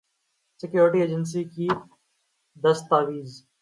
security agency کی دستاویز